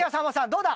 どうだ？